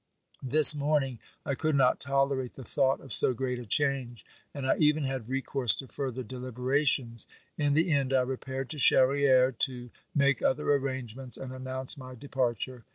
This morning I could not tolerate the thought of so great a change, and I even had recourse to further de liberations. In the end I repaired to Charrieres, to make other arrangements and announce my departure.